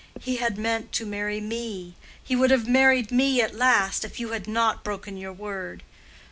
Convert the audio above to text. He had meant to marry me. He would have married me at last, if you had not broken your word.